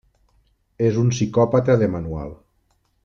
És un psicòpata de manual.